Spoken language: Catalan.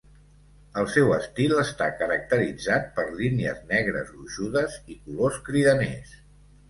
El seu estil està caracteritzat per línies negres gruixudes i colors cridaners.